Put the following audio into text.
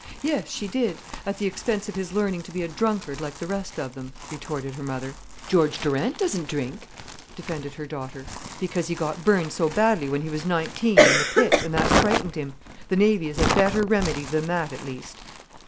"Yes, she did—at the expense of his learning to be a drunkard like the rest of them," retorted her mother. "George Durant doesn't drink," defended her daughter. "Because he got burned so badly when he was nineteen—in the pit—and that frightened him. The Navy is a better remedy than that, at least."